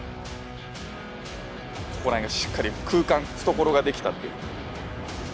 ここら辺がしっかり空間懐ができたという。